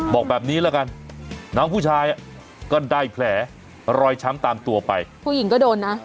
บอกแบบนี้ละกันน้องผู้ชายก็ได้แผลรอยช้ำตามตัวไปผู้หญิงก็โดนนะ